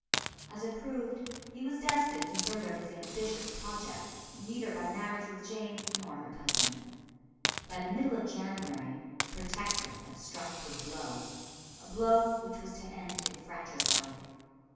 As it proved he was destined to further his ambitious projects neither by marriage with Jane nor her cousin. By the middle of January the Protector had struck his blow a blow which was to end in fratricide.